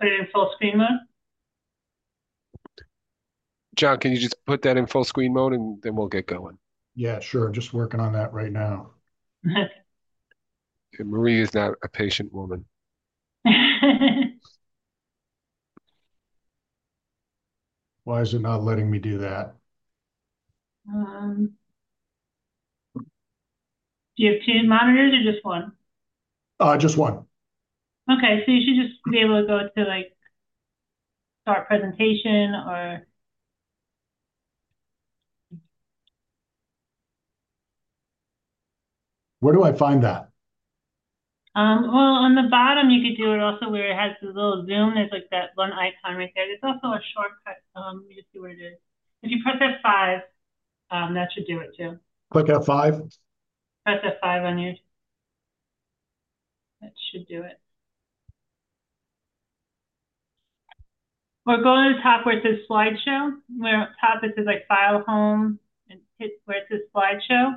Put it in full screen mode? John, can you just put that in full screen mode and then we'll get going. Yeah, sure. Just working on that right now. Marie is not a patient woman. Why is it not letting me do that? Do you have two monitors or just one? Just one. Okay, so you should just be able to go to, like, start presentation or- Where do I find that? Well, on the bottom you could do it also where it has the little Zoom. There's, like, that one icon right there. There's also a shortcut, let me just see where it is. If you press F5, that should do it too. Click F5? Press F5 on your... That should do it. Or go to the top where it says Slide Show. Where at the top it says, like, File, Home, and hit where it says Slide Show.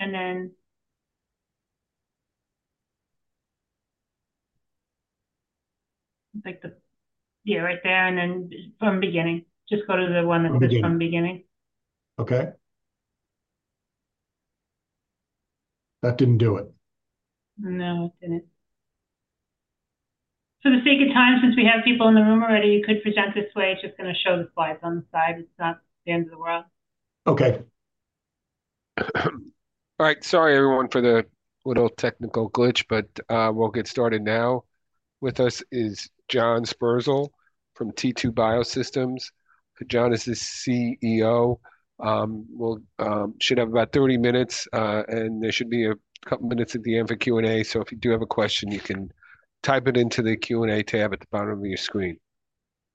And then, like the... Yeah, right there, and then From Beginning, just go to the one that says- From Beginning... From Beginning. Okay. That didn't do it. No, it didn't. For the sake of time, since we have people in the room already, you could present this way. It's just gonna show the slides on the side. It's not the end of the world. Okay. All right. Sorry, everyone, for the little technical glitch, but we'll get started now. With us is John Sperzel from T2 Biosystems. John is the CEO. We should have about 30 minutes, and there should be a couple minutes at the end for Q&A. So if you do have a question, you can type it into the Q&A tab at the bottom of your screen.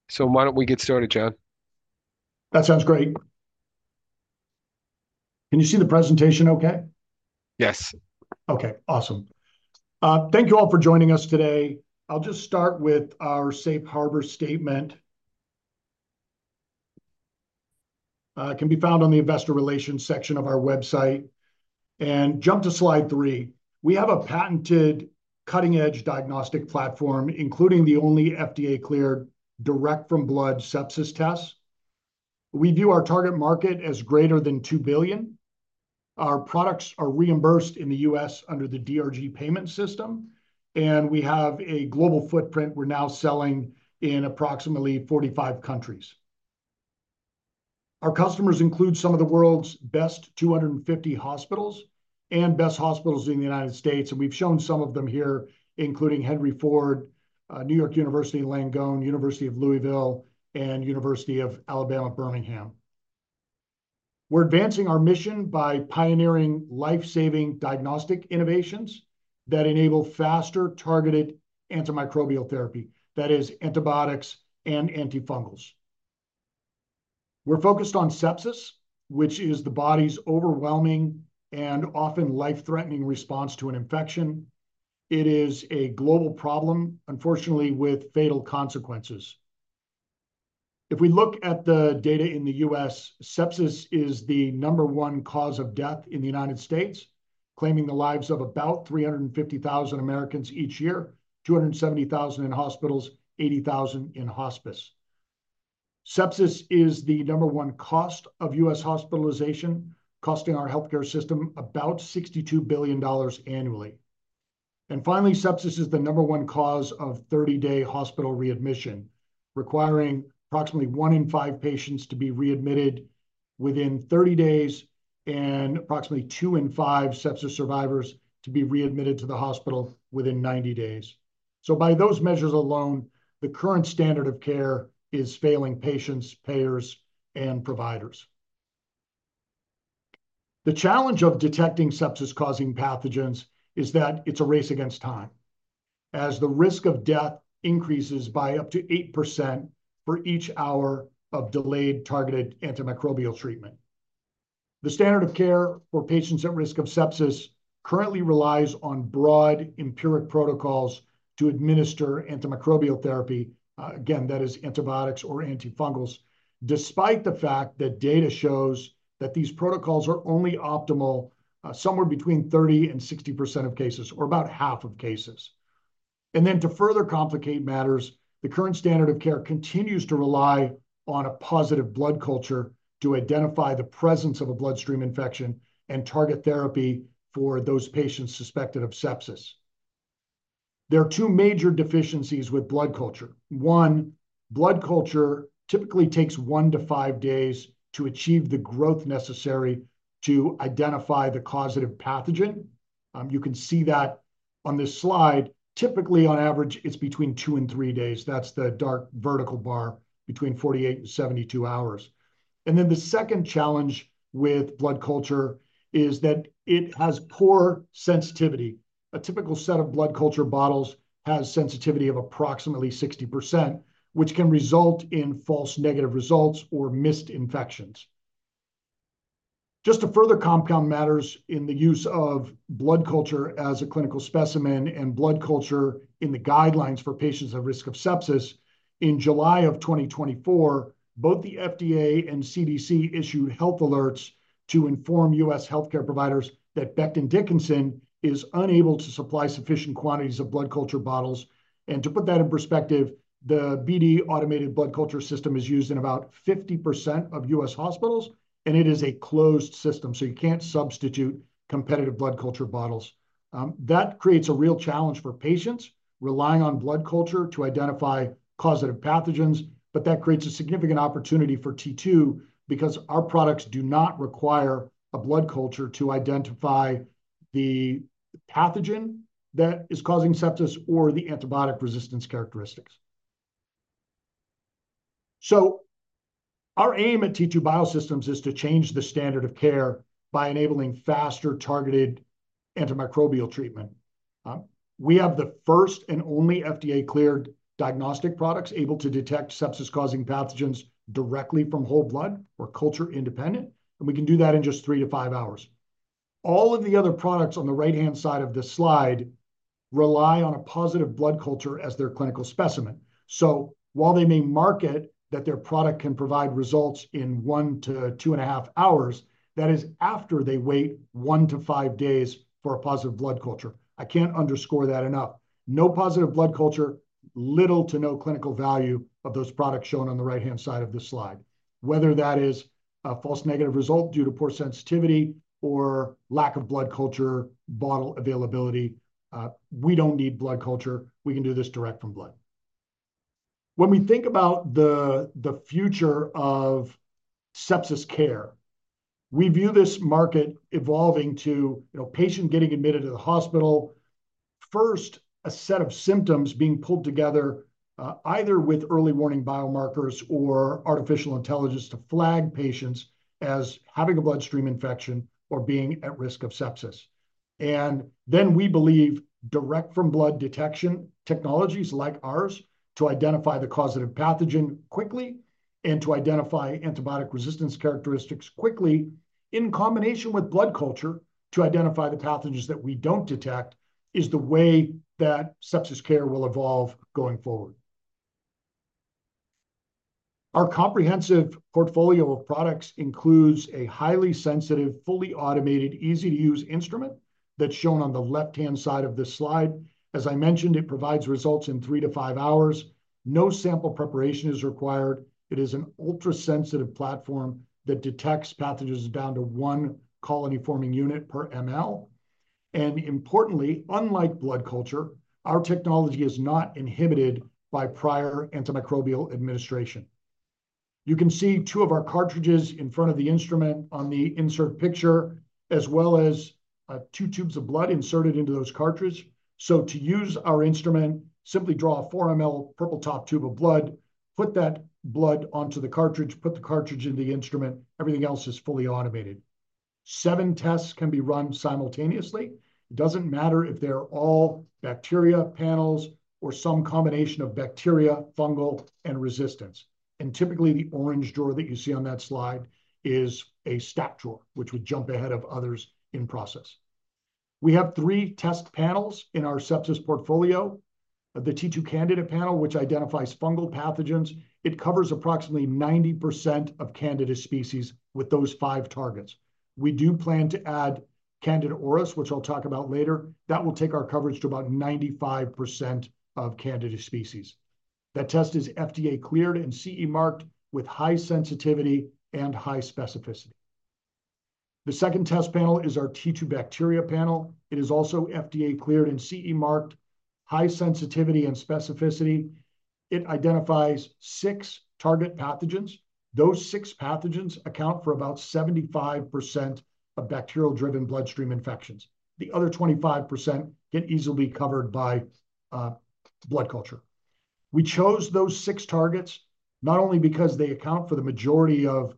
So why don't we get started, John? That sounds great. Can you see the presentation okay? Yes. Okay, awesome. Thank you all for joining us today. I'll just start with our safe harbor statement. It can be found on the investor relations section of our website. Jump to slide 3. We have a patented cutting-edge diagnostic platform, including the only FDA-cleared direct-from-blood sepsis test. We view our target market as greater than $2 billion. Our products are reimbursed in the U.S. under the DRG payment system, and we have a global footprint. We're now selling in approximately 45 countries. Our customers include some of the world's best 250 hospitals and best hospitals in the United States, and we've shown some of them here, including Henry Ford, New York University Langone, University of Louisville, and University of Alabama, Birmingham. We're advancing our mission by pioneering life-saving diagnostic innovations that enable faster targeted antimicrobial therapy, that is, antibiotics and antifungals. We're focused on sepsis, which is the body's overwhelming and often life-threatening response to an infection. It is a global problem, unfortunately, with fatal consequences. If we look at the data in the U.S., sepsis is the number one cause of death in the United States, claiming the lives of about 350,000 Americans each year, 270,000 in hospitals, 80,000 in hospice. Sepsis is the number one cost of U.S. hospitalization, costing our healthcare system about $62 billion annually. And finally, sepsis is the number one cause of 30-day hospital readmission, requiring approximately one in five patients to be readmitted within 30 days, and approximately two in five sepsis survivors to be readmitted to the hospital within 90 days. So by those measures alone, the current standard of care is failing patients, payers, and providers. The challenge of detecting sepsis-causing pathogens is that it's a race against time, as the risk of death increases by up to 8% for each hour of delayed targeted antimicrobial treatment. The standard of care for patients at risk of sepsis currently relies on broad empiric protocols to administer antimicrobial therapy, again, that is antibiotics or antifungals, despite the fact that data shows that these protocols are only optimal, somewhere between 30%-60% of cases, or about half of cases. And then, to further complicate matters, the current standard of care continues to rely on a positive blood culture to identify the presence of a bloodstream infection and target therapy for those patients suspected of sepsis. There are two major deficiencies with blood culture. One, blood culture typically takes 1-5 days to achieve the growth necessary to identify the causative pathogen. You can see that on this slide. Typically, on average, it's between two and three days. That's the dark vertical bar between 48 and 72 hours. Then the second challenge with blood culture is that it has poor sensitivity. A typical set of blood culture bottles has sensitivity of approximately 60%, which can result in false negative results or missed infections. Just to further compound matters in the use of blood culture as a clinical specimen in the guidelines for patients at risk of sepsis in July of 2024, both the FDA and CDC issued health alerts to inform U.S. healthcare providers that Becton Dickinson is unable to supply sufficient quantities of blood culture bottles. And to put that in perspective, the BD automated blood culture system is used in about 50% of U.S. hospitals, and it is a closed system, so you can't substitute competitive blood culture bottles. That creates a real challenge for patients relying on blood culture to identify causative pathogens, but that creates a significant opportunity for T2, because our products do not require a blood culture to identify the pathogen that is causing sepsis or the antibiotic resistance characteristics. So our aim at T2 Biosystems is to change the standard of care by enabling faster, targeted antimicrobial treatment. We have the first and only FDA-cleared diagnostic products able to detect sepsis-causing pathogens directly from whole blood or culture independent, and we can do that in just 3-5 hours. All of the other products on the right-hand side of this slide rely on a positive blood culture as their clinical specimen. So while they may market that their product can provide results in 1-2.5 hours, that is after they wait 1-5 days for a positive blood culture. I can't underscore that enough. No positive blood culture, little to no clinical value of those products shown on the right-hand side of this slide. Whether that is a false negative result due to poor sensitivity or lack of blood culture bottle availability, we don't need blood culture. We can do this direct from blood. When we think about the future of sepsis care, we view this market evolving to, you know, patient getting admitted to the hospital, first, a set of symptoms being pulled together, either with early warning biomarkers or artificial intelligence to flag patients as having a bloodstream infection or being at risk of sepsis. Then we believe direct from blood detection technologies like ours to identify the causative pathogen quickly and to identify antibiotic resistance characteristics quickly in combination with blood culture to identify the pathogens that we don't detect, is the way that sepsis care will evolve going forward. Our comprehensive portfolio of products includes a highly sensitive, fully automated, easy-to-use instrument that's shown on the left-hand side of this slide. As I mentioned, it provides results in three to five hours. No sample preparation is required. It is an ultrasensitive platform that detects pathogens down to one colony-forming unit per mL. Importantly, unlike blood culture, our technology is not inhibited by prior antimicrobial administration. You can see two of our cartridges in front of the instrument on the insert picture, as well as two tubes of blood inserted into those cartridges. So to use our instrument, simply draw a four mL purple-top tube of blood, put that blood onto the cartridge, put the cartridge in the instrument, everything else is fully automated. Seven tests can be run simultaneously. It doesn't matter if they're all bacteria panels or some combination of bacteria, fungal, and resistance. Typically, the orange drawer that you see on that slide is a stat drawer, which would jump ahead of others in process. We have three test panels in our sepsis portfolio. The T2Candida Panel, which identifies fungal pathogens, it covers approximately 90% of Candida species with those five targets. We do plan to add Candida auris, which I'll talk about later. That will take our coverage to about 95% of Candida species. That test is FDA-cleared and CE-marked with high sensitivity and high specificity. The second test panel is our T2Bacteria Panel. It is also FDA-cleared and CE-marked, high sensitivity and specificity. It identifies six target pathogens. Those six pathogens account for about 75% of bacterial-driven bloodstream infections. The other 25% get easily covered by blood culture. We chose those six targets not only because they account for the majority of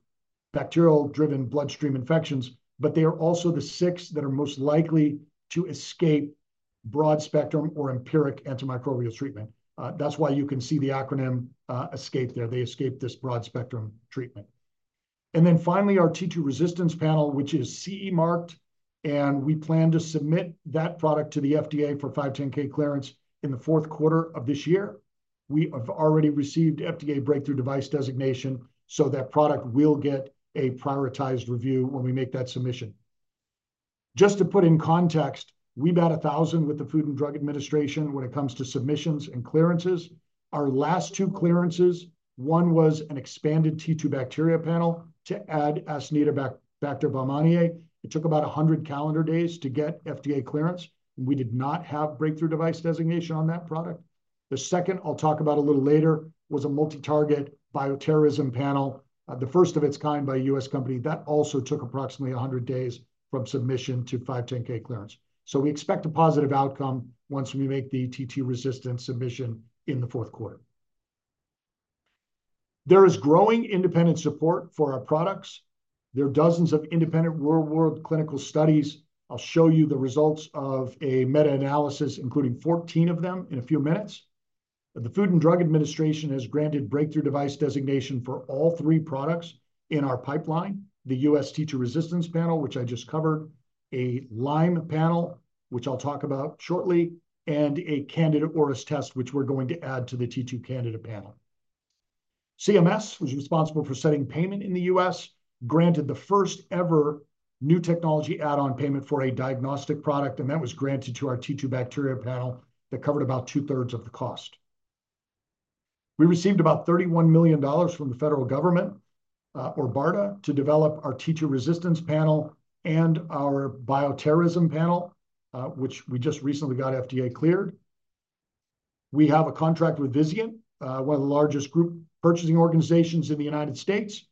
bacterial-driven bloodstream infections, but they are also the six that are most likely to escape broad-spectrum or empiric antimicrobial treatment. That's why you can see the acronym ESKAPE there. They escape this broad-spectrum treatment. Then finally, our T2Resistance Panel, which is CE-marked, and we plan to submit that product to the FDA for 510(k) clearance in the fourth quarter of this year. We have already received FDA Breakthrough Device Designation, so that product will get a prioritized review when we make that submission. Just to put in context, we bat a thousand with the Food and Drug Administration when it comes to submissions and clearances. Our last two clearances, one was an expanded T2Bacteria Panel to add Acinetobacter baumannii. It took about 100 calendar days to get FDA clearance. We did not have Breakthrough Device Designation on that product. The second, I'll talk about a little later, was a multi-target bioterrorism panel, the first of its kind by a U.S. company. That also took approximately 100 days from submission to 510(k) clearance. So we expect a positive outcome once we make the T2Resistance submission in the fourth quarter. There is growing independent support for our products. There are dozens of independent real-world clinical studies. I'll show you the results of a meta-analysis, including 14 of them, in a few minutes. The Food and Drug Administration has granted Breakthrough Device Designation for all three products in our pipeline, the U.S. T2Resistance Panel, which I just covered, a Lyme panel, which I'll talk about shortly, and a Candida auris test, which we're going to add to the T2Candida Panel. CMS, which is responsible for setting payment in the U.S., granted the first ever New Technology Add-on Payment for a diagnostic product, and that was granted to our T2Bacteria Panel that covered about 2/3 of the cost. We received about $31 million from the federal government, or BARDA, to develop our T2Resistance Panel and our T2Biothreat Panel, which we just recently got FDA cleared. We have a contract with Vizient, one of the largest group purchasing organizations in the United States,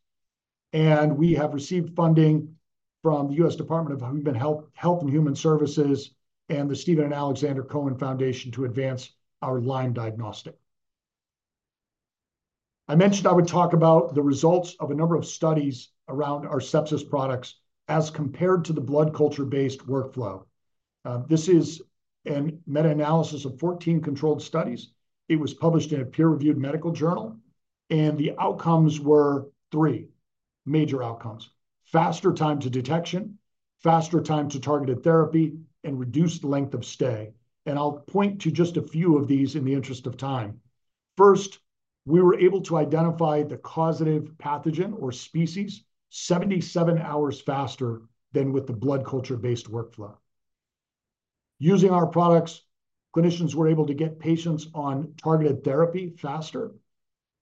and we have received funding from the U.S. Department of Health and Human Services, and the Steven & Alexandra Cohen Foundation to advance our Lyme diagnostic. I mentioned I would talk about the results of a number of studies around our sepsis products as compared to the blood culture-based workflow. This is a meta-analysis of 14 controlled studies. It was published in a peer-reviewed medical journal, and the outcomes were three major outcomes: faster time to detection, faster time to targeted therapy, and reduced length of stay. I'll point to just a few of these in the interest of time. First, we were able to identify the causative pathogen or species 77 hours faster than with the blood culture-based workflow. Using our products, clinicians were able to get patients on targeted therapy faster.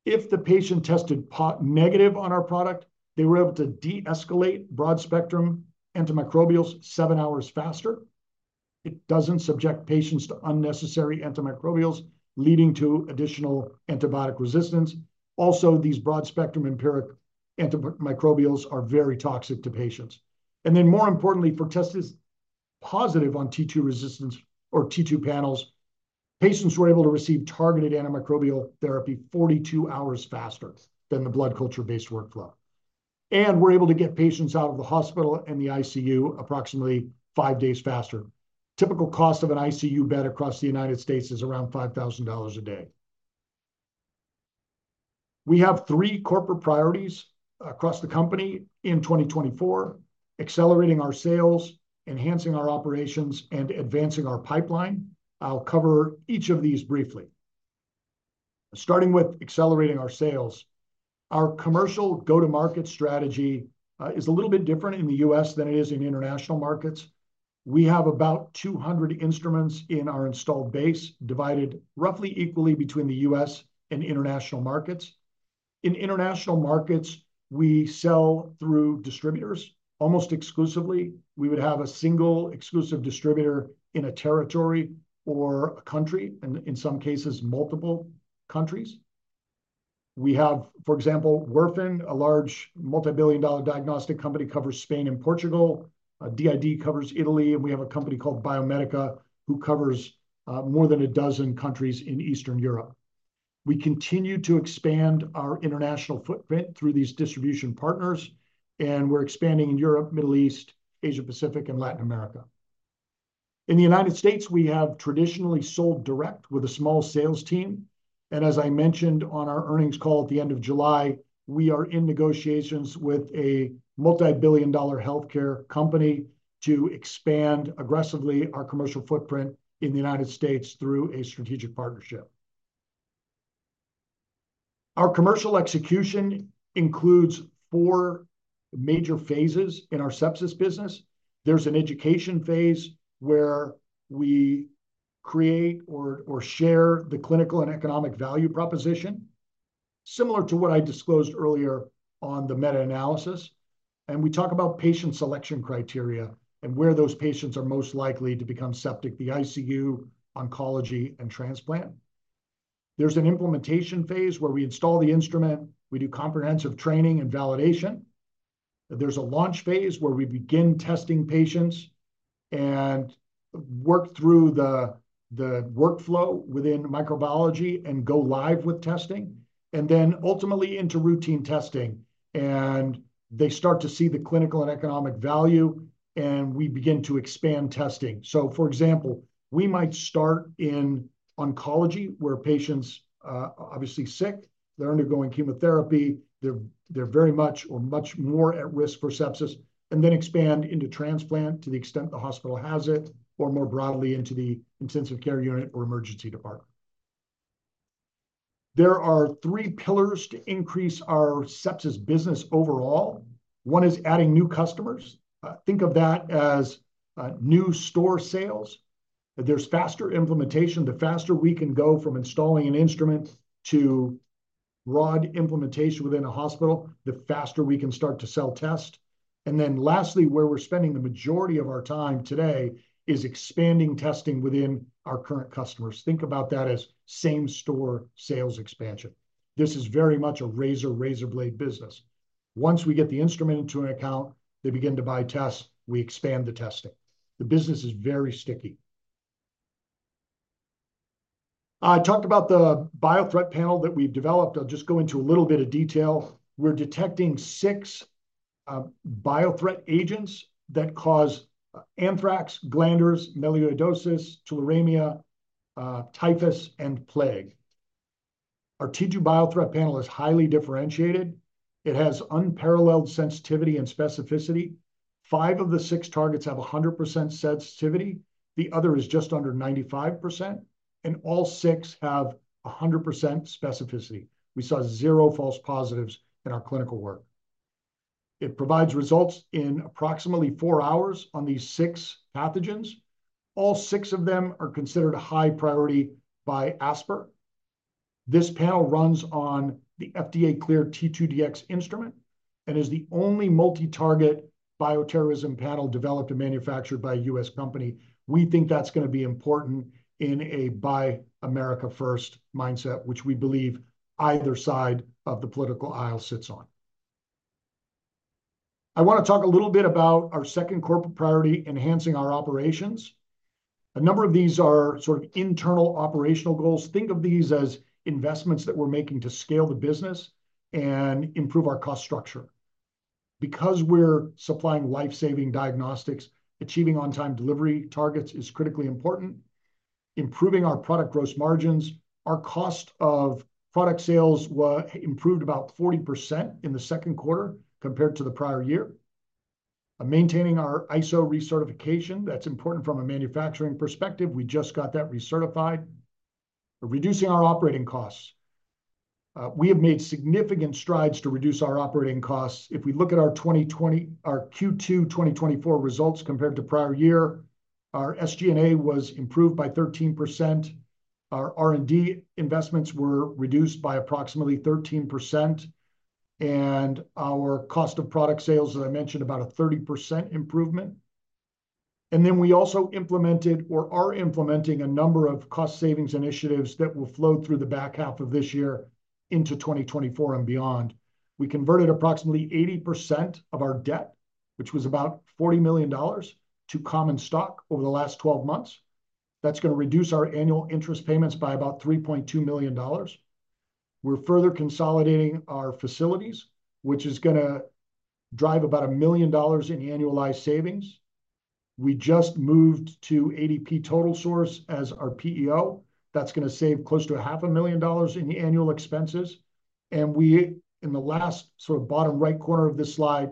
If the patient tested negative on our product, they were able to de-escalate broad-spectrum antimicrobials 7 hours faster. It doesn't subject patients to unnecessary antimicrobials, leading to additional antibiotic resistance. Also, these broad-spectrum empiric antimicrobials are very toxic to patients. And then, more importantly, for tests positive on T2Resistance or T2 panels, patients were able to receive targeted antimicrobial therapy 42 hours faster than the blood culture-based workflow, and were able to get patients out of the hospital and the ICU approximately 5 days faster. Typical cost of an ICU bed across the United States is around $5,000 a day. We have three corporate priorities across the company in 2024: accelerating our sales, enhancing our operations, and advancing our pipeline. I'll cover each of these briefly. Starting with accelerating our sales, our commercial go-to-market strategy is a little bit different in the U.S. than it is in international markets. We have about 200 instruments in our installed base, divided roughly equally between the U.S. and international markets. In international markets, we sell through distributors almost exclusively. We would have a single exclusive distributor in a territory or a country, and in some cases, multiple countries. We have, for example, Werfen, a large multi-billion dollar diagnostic company, covers Spain and Portugal. D.I.D. covers Italy, and we have a company called Biomedica, who covers more than a dozen countries in Eastern Europe. We continue to expand our international footprint through these distribution partners, and we're expanding in Europe, Middle East, Asia-Pacific, and Latin America. In the United States, we have traditionally sold direct with a small sales team, and as I mentioned on our earnings call at the end of July, we are in negotiations with a multi-billion dollar healthcare company to expand aggressively our commercial footprint in the United States through a strategic partnership. Our commercial execution includes four major phases in our sepsis business. There's an education phase, where we create or share the clinical and economic value proposition, similar to what I disclosed earlier on the meta-analysis, and we talk about patient selection criteria and where those patients are most likely to become septic, the ICU, oncology, and transplant. There's an implementation phase, where we install the instrument, we do comprehensive training and validation. There's a launch phase, where we begin testing patients and work through the workflow within microbiology and go live with testing, and then ultimately into routine testing, and they start to see the clinical and economic value, and we begin to expand testing. So, for example, we might start in oncology, where patients are obviously sick, they're undergoing chemotherapy, they're very much or much more at risk for sepsis, and then expand into transplant to the extent the hospital has it, or more broadly, into the intensive care unit or emergency department. There are three pillars to increase our sepsis business overall. One is adding new customers. Think of that as new store sales. If there's faster implementation, the faster we can go from installing an instrument to broad implementation within a hospital, the faster we can start to sell test. And then lastly, where we're spending the majority of our time today, is expanding testing within our current customers. Think about that as same-store sales expansion. This is very much a razor blade business. Once we get the instrument into an account, they begin to buy tests, we expand the testing. The business is very sticky. I talked about the biothreat panel that we've developed. I'll just go into a little bit of detail. We're detecting six biothreat agents that cause anthrax, glanders, melioidosis, tularemia, typhus, and plague. Our T2Biothreat Panel is highly differentiated. It has unparalleled sensitivity and specificity. Five of the six targets have 100% sensitivity, the other is just under 95%, and all six have 100% specificity. We saw zero false positives in our clinical work. It provides results in approximately four hours on these six pathogens. All six of them are considered high priority by ASPR. This panel runs on the FDA-cleared T2Dx Instrument, and is the only multi-target bioterrorism panel developed and manufactured by a U.S. company. We think that's gonna be important in a Buy America first mindset, which we believe either side of the political aisle sits on. I wanna talk a little bit about our second corporate priority, enhancing our operations. A number of these are sort of internal operational goals. Think of these as investments that we're making to scale the business and improve our cost structure. Because we're supplying life-saving diagnostics, achieving on-time delivery targets is critically important. Improving our product gross margins, our cost of product sales were improved about 40% in the second quarter compared to the prior year. Maintaining our ISO recertification, that's important from a manufacturing perspective. We just got that recertified. Reducing our operating costs. We have made significant strides to reduce our operating costs. If we look at our Q2 2024 results compared to prior year, our SG&A was improved by 13%. Our R&D investments were reduced by approximately 13%, and our cost of product sales, as I mentioned, about a 30% improvement. And then we also implemented or are implementing a number of cost savings initiatives that will flow through the back half of this year into 2024 and beyond. We converted approximately 80% of our debt, which was about $40 million, to common stock over the last twelve months. That's gonna reduce our annual interest payments by about $3.2 million. We're further consolidating our facilities, which is gonna drive about $1 million in annualized savings. We just moved to ADP TotalSource as our PEO. That's gonna save close to $500,000 in annual expenses. And we, in the last sort of bottom right corner of this slide,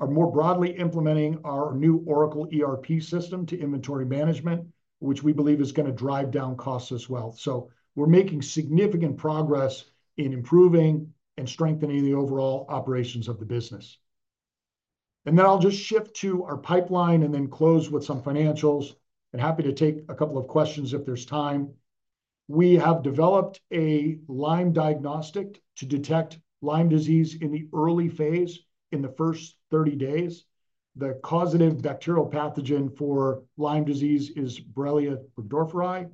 are more broadly implementing our new Oracle ERP system to inventory management, which we believe is gonna drive down costs as well. So we're making significant progress in improving and strengthening the overall operations of the business. And then I'll just shift to our pipeline and then close with some financials, and happy to take a couple of questions if there's time. We have developed a Lyme diagnostic to detect Lyme disease in the early phase, in the first 30 days. The causative bacterial pathogen for Lyme disease is Borrelia burgdorferi.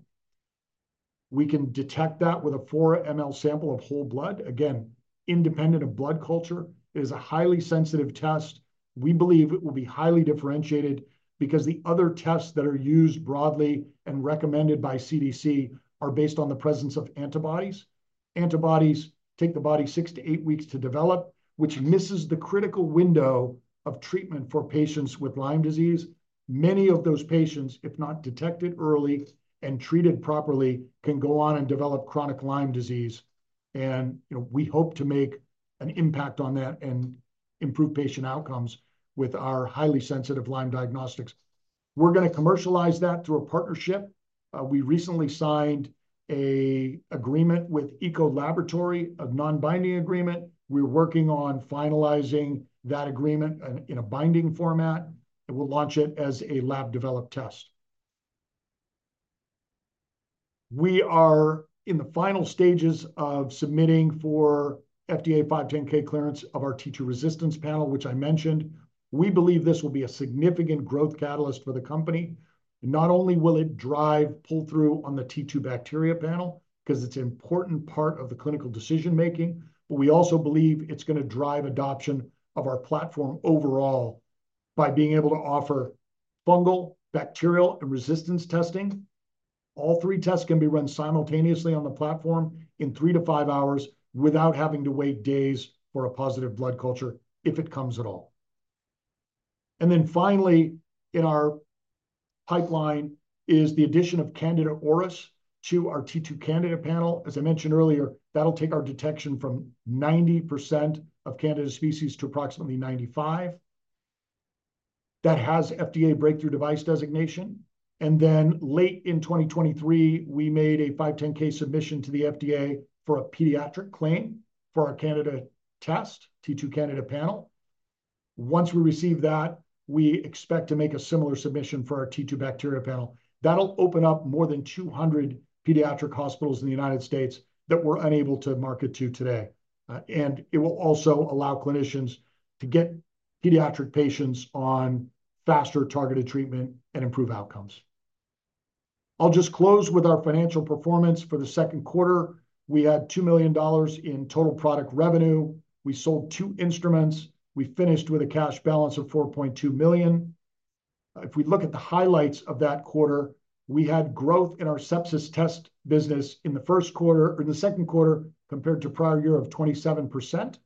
We can detect that with a 4 ml sample of whole blood. Again, independent of blood culture, it is a highly sensitive test. We believe it will be highly differentiated because the other tests that are used broadly and recommended by CDC are based on the presence of antibodies. Antibodies take the body six to eight weeks to develop, which misses the critical window of treatment for patients with Lyme disease. Many of those patients, if not detected early and treated properly, can go on and develop chronic Lyme disease, and, you know, we hope to make an impact on that and improve patient outcomes with our highly sensitive Lyme diagnostics. We're gonna commercialize that through a partnership. We recently signed an agreement with a collaborator, a non-binding agreement. We're working on finalizing that agreement in a binding format, and we'll launch it as a lab-developed test. We are in the final stages of submitting for FDA 510(k) clearance of our T2Resistance Panel, which I mentioned. We believe this will be a significant growth catalyst for the company. Not only will it drive pull-through on the T2Bacteria Panel, 'cause it's an important part of the clinical decision-making, but we also believe it's gonna drive adoption of our platform overall by being able to offer fungal, bacterial, and resistance testing. All three tests can be run simultaneously on the platform in 3-5 hours without having to wait days for a positive blood culture, if it comes at all. And then finally, in our pipeline is the addition of Candida auris to our T2Candida Panel. As I mentioned earlier, that'll take our detection from 90% of Candida species to approximately 95%. That has FDA Breakthrough Device Designation. And then late in 2023, we made a 510(k) submission to the FDA for a pediatric claim for our Candida test, T2Candida Panel. Once we receive that, we expect to make a similar submission for our T2Bacteria Panel. That'll open up more than 200 pediatric hospitals in the United States that we're unable to market to today. And it will also allow clinicians to get pediatric patients on faster targeted treatment and improve outcomes. I'll just close with our financial performance. For the second quarter, we had $2 million in total product revenue. We sold 2 instruments. We finished with a cash balance of $4.2 million. If we look at the highlights of that quarter, we had growth in our sepsis test business in the first quarter - or in the second quarter, compared to prior year of 27%.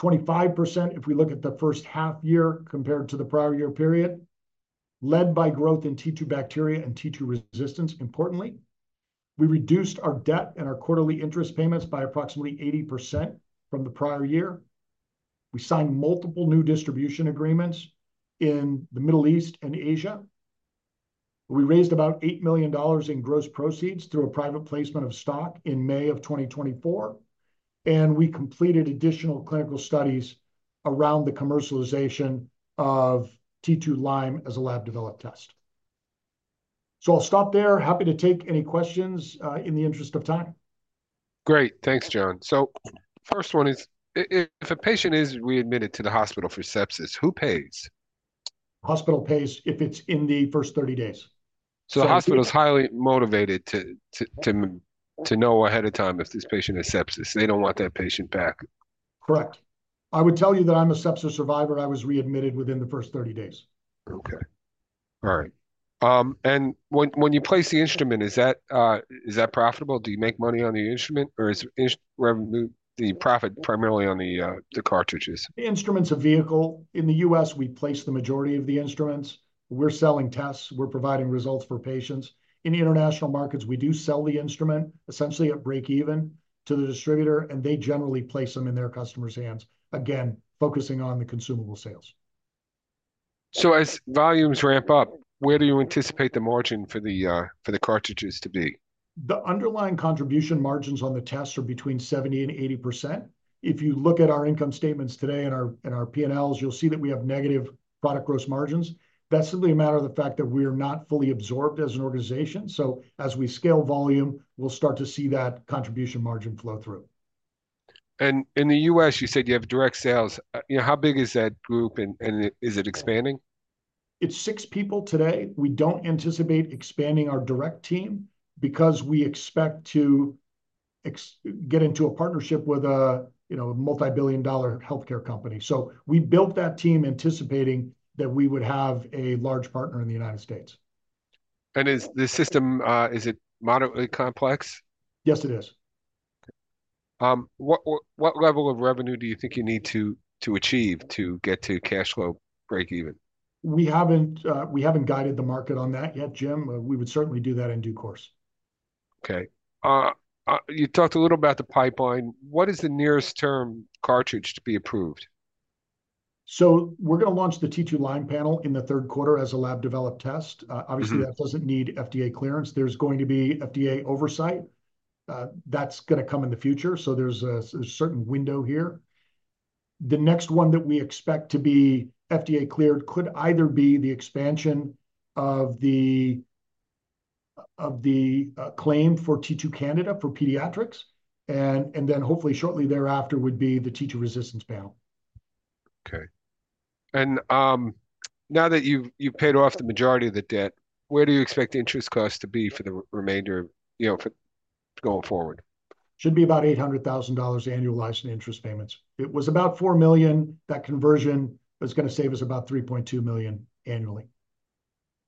25%, if we look at the first half year compared to the prior year period, led by growth in T2Bacteria and T2Resistance, importantly. We reduced our debt and our quarterly interest payments by approximately 80% from the prior year. We signed multiple new distribution agreements in the Middle East and Asia. We raised about $8 million in gross proceeds through a private placement of stock in May of 2024, and we completed additional clinical studies around the commercialization of T2Lyme as a lab-developed test. So I'll stop there. Happy to take any questions in the interest of time. Great. Thanks, John. So first one is, if a patient is readmitted to the hospital for sepsis, who pays? Hospital pays if it's in the first 30 days. So- So the hospital's highly motivated to know ahead of time if this patient has sepsis. They don't want that patient back. Correct. I would tell you that I'm a sepsis survivor. I was readmitted within the first 30 days. Okay. All right. And when you place the instrument, is that profitable? Do you make money on the instrument, or is instrument revenue the profit primarily on the cartridges? The instrument's a vehicle. In the U.S., we place the majority of the instruments. We're selling tests. We're providing results for patients. In the international markets, we do sell the instrument essentially at break even to the distributor, and they generally place them in their customers' hands, again, focusing on the consumable sales. As volumes ramp up, where do you anticipate the margin for the cartridges to be? The underlying contribution margins on the tests are between 70% and 80%. If you look at our income statements today and our, and our P&Ls, you'll see that we have negative product gross margins. That's simply a matter of the fact that we are not fully absorbed as an organization. So as we scale volume, we'll start to see that contribution margin flow through. In the U.S., you said you have direct sales. You know, how big is that group, and is it expanding? It's 6 people today. We don't anticipate expanding our direct team because we expect to get into a partnership with a, you know, multibillion-dollar healthcare company. So we built that team anticipating that we would have a large partner in the United States. Is the system moderately complex? Yes, it is. What level of revenue do you think you need to achieve to get to cash flow break even? We haven't guided the market on that yet, Jim. We would certainly do that in due course. Okay. You talked a little about the pipeline. What is the nearest term cartridge to be approved? We're gonna launch the T2Lyme Panel in the third quarter as a lab-developed test. Mm-hmm. Obviously, that doesn't need FDA clearance. There's going to be FDA oversight. That's gonna come in the future, so there's a certain window here. The next one that we expect to be FDA cleared could either be the expansion of the claim for T2Candida for pediatrics, and then hopefully shortly thereafter would be the T2Resistance Panel. Okay. And now that you've paid off the majority of the debt, where do you expect the interest costs to be for the remainder, you know, for going forward? Should be about $800,000 annual license and interest payments. It was about $4 million. That conversion is gonna save us about $3.2 million annually.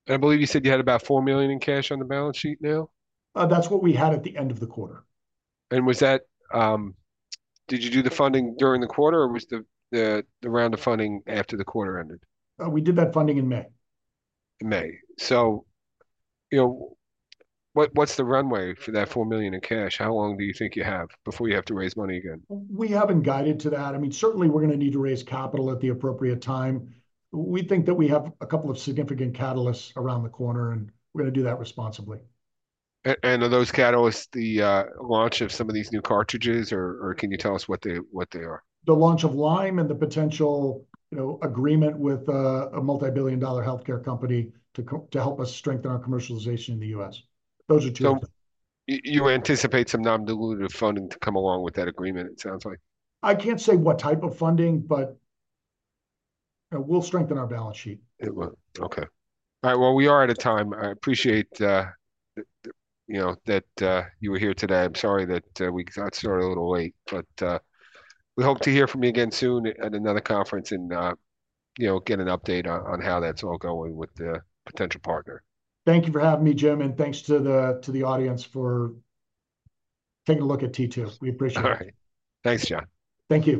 I believe you said you had about $4 million in cash on the balance sheet now? That's what we had at the end of the quarter. Was that? Did you do the funding during the quarter, or was the round of funding after the quarter ended? We did that funding in May. May. So, you know, what, what's the runway for that $4 million in cash? How long do you think you have before you have to raise money again? We haven't guided to that. I mean, certainly we're gonna need to raise capital at the appropriate time. We think that we have a couple of significant catalysts around the corner, and we're gonna do that responsibly. And are those catalysts the launch of some of these new cartridges, or can you tell us what they are? The launch of Lyme and the potential, you know, agreement with a multibillion-dollar healthcare company to help us strengthen our commercialization in the U.S. Those are two. So you anticipate some non-dilutive funding to come along with that agreement, it sounds like? I can't say what type of funding, but we'll strengthen our balance sheet. It will. Okay. All right, well, we are out of time. I appreciate the, you know, that you were here today. I'm sorry that we got started a little late, but we hope to hear from you again soon at another conference and, you know, get an update on how that's all going with the potential partner. Thank you for having me, Jim, and thanks to the audience for taking a look at T2. We appreciate it. All right. Thanks, John. Thank you, Jim.